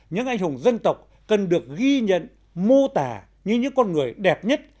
những anh hùng dân tộc cần được ghi nhận mô tả như những con người đẹp nhất